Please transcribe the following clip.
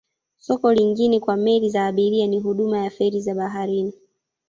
Soko lingine kwa meli za abiria ni huduma ya feri za baharini.